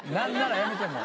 やめてもう。